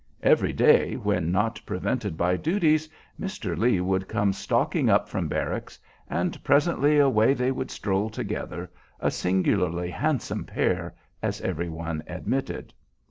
Every day, when not prevented by duties, Mr. Lee would come stalking up from barracks, and presently away they would stroll together, a singularly handsome pair, as every one admitted.